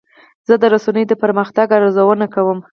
زه د رسنیو د پرمختګ ارزونه کوم.